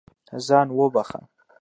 ځان وبښه.